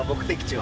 は